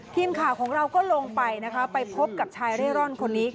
ทีมข่าวของเราก็ลงไปนะคะไปพบกับชายเร่ร่อนคนนี้